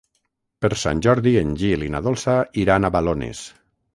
Per Sant Jordi en Gil i na Dolça iran a Balones.